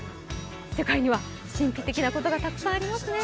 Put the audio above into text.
世界には神秘的なことがたくさんありますね。